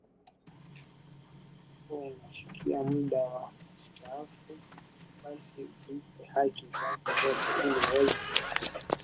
na unapofika muda wa kustaafu basi ulipwe haki zako zote ili uweze kuanza